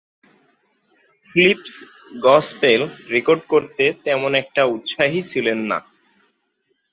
Philips gospel record করতে তেমন একটা উৎসাহী ছিলেন না।